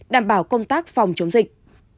đảm bảo công tác phòng chống dịch